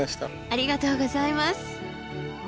ありがとうございます！